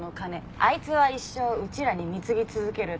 あいつは一生うちらに貢ぎ続けるだけの男。